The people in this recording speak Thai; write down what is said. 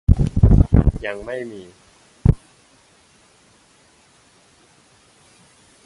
ยังไม่มี